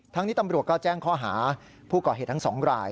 นี้ตำรวจก็แจ้งข้อหาผู้ก่อเหตุทั้งสองราย